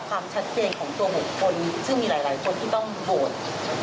กับความชัดเจนของตัว๖คนซึ่งมีหลายคนที่ต้องโบสถ์